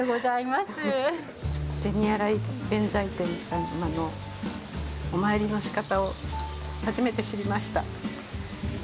銭洗弁財天さまのお参りの仕方を初めて知りました。